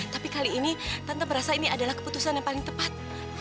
tapi kali ini tante merasa ini adalah keputusan yang paling tepat